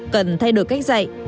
cần thay đổi cách dạy